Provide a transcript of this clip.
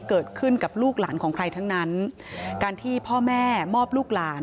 เกิดขึ้นกับลูกหลานของใครทั้งนั้นการที่พ่อแม่มอบลูกหลาน